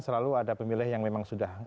selalu ada pemilih yang memang sudah